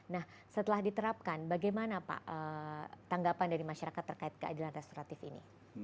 nah setelah diterapkan bagaimana pak tanggapan dari masyarakat terkait keadilan restoratif ini